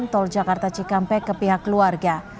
tol jakarta cikampek ke pihak keluarga